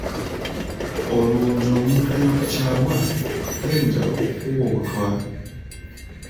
Olowooza omuntu eyakukyawa tayinza okukuwa obutwa?